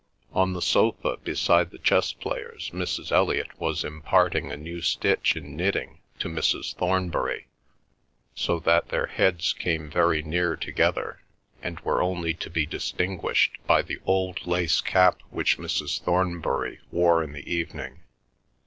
On the sofa, beside the chess players, Mrs. Elliot was imparting a new stitch in knitting to Mrs. Thornbury, so that their heads came very near together, and were only to be distinguished by the old lace cap which Mrs. Thornbury wore in the evening.